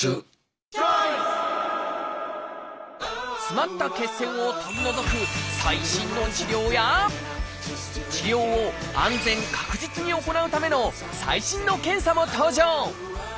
詰まった血栓を取り除く最新の治療や治療を安全確実に行うための最新の検査も登場！